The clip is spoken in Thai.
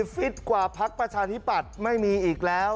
ฟิตกว่าพักประชาธิปัตย์ไม่มีอีกแล้ว